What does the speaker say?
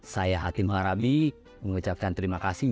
saya hakim harami mengucapkan terima kasih